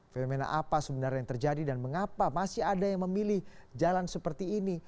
fenomena apa sebenarnya yang terjadi dan mengapa masih ada yang memilih jalan seperti ini